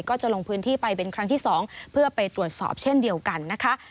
ก็จะลงพื้นที่ไปเป็นครั้งที่๒เพื่อไปตรวจสอบเช่นเดียวกันนะคะ